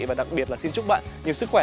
và đặc biệt là xin chúc bạn nhiều sức khỏe